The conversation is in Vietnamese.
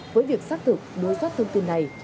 với việc xác thực đối xoát thông tin này